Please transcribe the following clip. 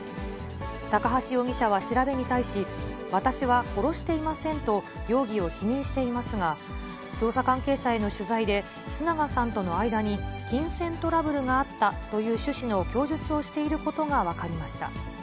高橋容疑者は調べに対し、私は殺していませんと、容疑を否認していますが、捜査関係者への取材で、須永さんとの間に、金銭トラブルがあったという趣旨の供述をしていることが分かりました。